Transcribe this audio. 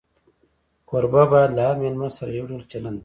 کوربه باید له هر مېلمه سره یو ډول چلند وکړي.